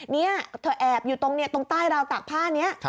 นี่เธอแอบอยู่ตรงนี้ตรงใต้เราตากผ้านี้